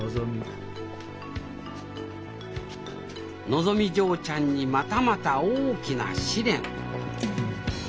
のぞみ嬢ちゃんにまたまた大きな試練。